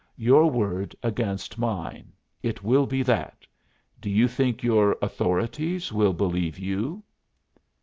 Your word against mine it will be that. Do you think your 'authorities' will believe you?"